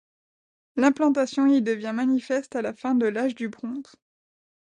L'implantation y devient manifeste à la fin de l'âge du bronze.